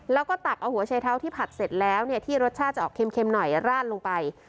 แล้วก็ตักเอาหัวชัยเท้าที่ผัดเสร็จแล้วเนี่ยที่รสชาติจะออกเค็มหน่อยราดลงไป